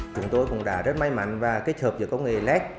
chúng tôi cũng đã rất may mắn và kết hợp giữa công nghệ led